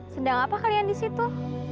sedang apa kalian di situ